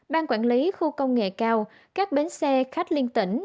ban quản lý khu công nghệ cao các bến xe khách liên tỉnh